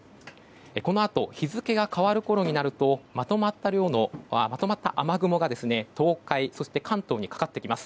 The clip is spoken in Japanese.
このあと日付が変わるころになるとまとまった雨雲が東海そして関東にかかってきます。